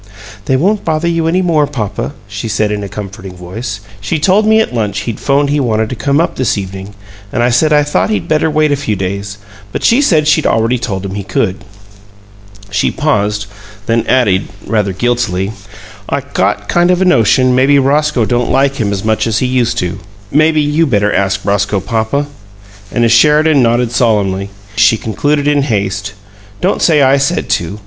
"They won't bother you any more, papa," she said, in a comforting voice. "She told me at lunch he'd 'phoned he wanted to come up this evening, and I said I thought he'd better wait a few days, but she said she'd already told him he could." She paused, then added, rather guiltily: "I got kind of a notion maybe Roscoe don't like him as much as he used to. Maybe maybe you better ask Roscoe, papa." And as Sheridan nodded solemnly, she concluded, in haste: "Don't say I said to.